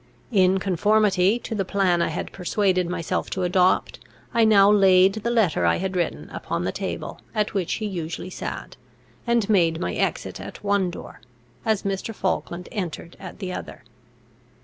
In conformity to the plan I had persuaded myself to adopt, I now laid the letter I had written upon the table at which he usually sat, and made my exit at one door as Mr. Falkland entered at the other.